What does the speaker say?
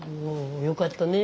よかったね